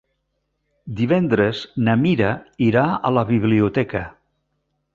Divendres na Mira irà a la biblioteca.